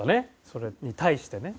それに対してね。